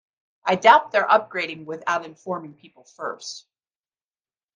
I doubt they're upgrading without informing people first.